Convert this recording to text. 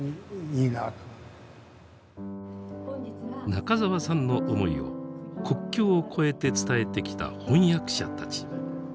中沢さんの思いを国境を越えて伝えてきた翻訳者たち。